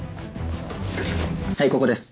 はいここです。